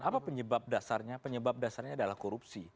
apa penyebab dasarnya penyebab dasarnya adalah korupsi